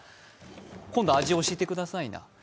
今度、味を教えてくださいな。